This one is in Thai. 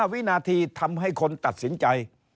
วินาทีทำให้คนตัดสินใจ